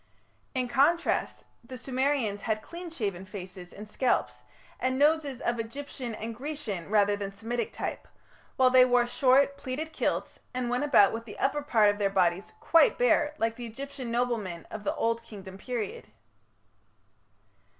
In contrast, the Sumerians had clean shaven faces and scalps, and noses of Egyptian and Grecian rather than Semitic type, while they wore short, pleated kilts, and went about with the upper part of their bodies quite bare like the Egyptian noblemen of the Old Kingdom period.